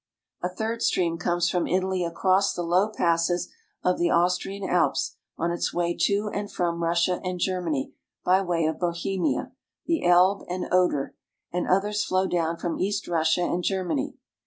A third stream comes from Italy across the low passes of the Austrian Alps on its way to and from Russia and Germany by way of Bohemia, the Elbe and Oder, and others flow down from East Russia and Germany.